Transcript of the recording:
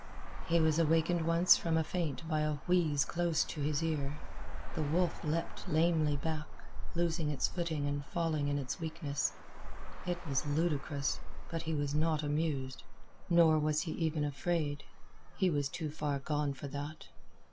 He was awakened once from a faint by a wheeze close in his ear. The wolf leaped lamely back, losing its footing and falling in its weakness. It was ludicrous, but he was not amused. Nor was he even afraid. He was too far gone for that.